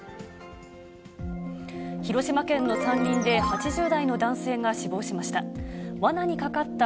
広島県の山林で８０代の男性が死亡しました。